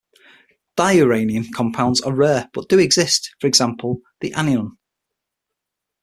Diuranium compounds are rare, but do exist; for example, the anion.